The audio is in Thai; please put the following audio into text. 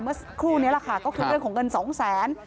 เมื่อคู่นี้แหวะค่ะคือเรื่องของเงิน๒๐๐๐๐๐